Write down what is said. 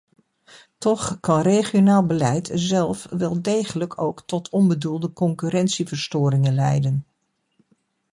Toch kan regionaal beleid zelf wel degelijk ook tot onbedoelde concurrentieverstoringen leiden.